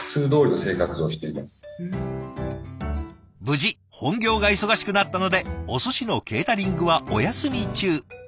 無事本業が忙しくなったのでおすしのケータリングはお休み中。